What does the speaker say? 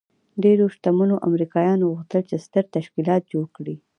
ډېرو شتمنو امریکایانو غوښتل چې ستر تشکیلات جوړ کړي